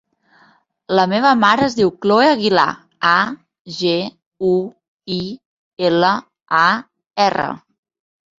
La meva mare es diu Cloè Aguilar: a, ge, u, i, ela, a, erra.